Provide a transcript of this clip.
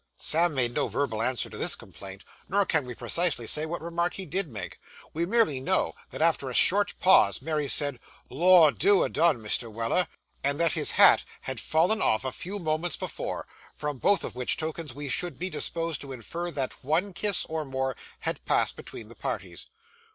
Sam made no verbal answer to this complaint, nor can we precisely say what reply he did make. We merely know that after a short pause Mary said, 'Lor, do adun, Mr. Weller!' and that his hat had fallen off a few moments before from both of which tokens we should be disposed to infer that one kiss, or more, had passed between the parties.